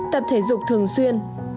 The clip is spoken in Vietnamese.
tập thể dục thường xuyên